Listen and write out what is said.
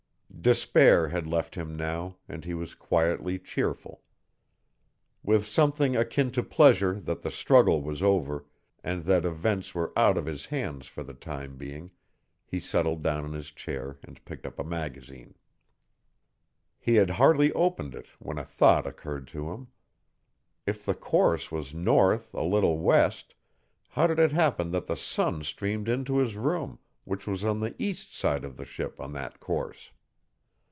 Despair had left him now, and he was quietly cheerful. With something akin to pleasure that the struggle was over, and that events were out of his hands for the time being, he settled down in his chair and picked up a magazine. He had hardly opened it when a thought occurred to him. If the course was north a little west, how did it happen that the sun streamed into his room, which was on the east side of the ship on that course?